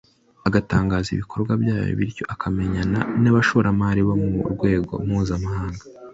agatangaza ibikorwa byayo bityo akamenyana n’abashoramari bo ku rwego mpuzamahanga